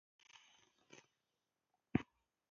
هغه شی چي د حکم موضوع وي.؟